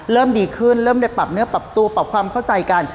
เริ่มดีขึ้นเริ่มได้ปรับเนื้อปรับตัวปรับความเข้าใจกัน